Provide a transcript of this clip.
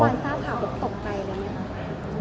อย่างเมื่อวานสร้างข่าวตกใจหรือเปล่า